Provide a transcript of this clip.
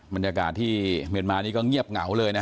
บรรยากาศที่เมียนมานี่ก็เงียบเหงาเลยนะฮะ